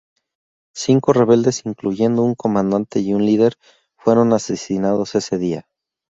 Cinco rebeldes, incluyendo un comandante y un líder, fueron asesinados ese día.